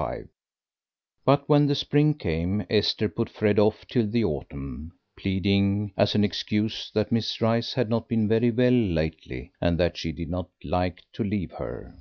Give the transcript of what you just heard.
XXV But when the spring came Esther put Fred off till the autumn, pleading as an excuse that Miss Rice had not been very well lately, and that she did not like to leave her.